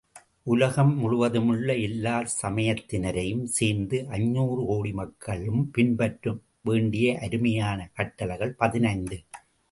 உலகம் முழுவதுமுள்ள எல்லாச் சமயத்தினரையும் சேர்ந்த ஐநூறு கோடி மக்களும் பின்பற்ற வேண்டிய அருமையான கட்டளைகள், பதினைந்து .